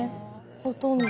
ほとんど。